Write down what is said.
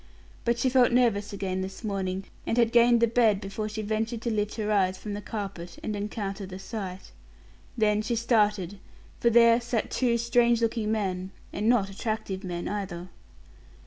But she felt nervous again this morning, and had gained the bed before she ventured to lift her eyes from the carpet and encounter the sight. Then she started, for there sat two strange looking men and not attractive men either.